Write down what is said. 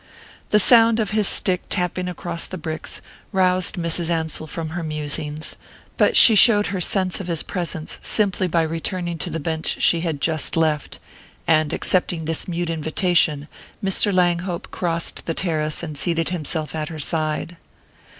The sound of his stick tapping across the bricks roused Mrs. Ansell from her musings, but she showed her sense of his presence simply by returning to the bench she had just left; and accepting this mute invitation, Mr. Langhope crossed the terrace and seated himself at her side.